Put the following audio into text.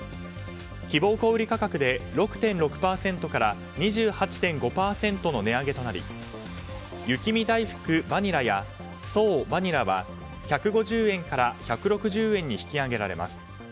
希望小売価格で６．６％から２８．５％の値上げとなり雪見だいふくバニラや爽バニラは１５０円から１６０円に引き上げられます。